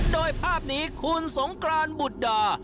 โดยภาพนี้คุณสงกรานบุตรดา